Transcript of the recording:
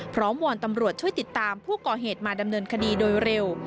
วอนตำรวจช่วยติดตามผู้ก่อเหตุมาดำเนินคดีโดยเร็ว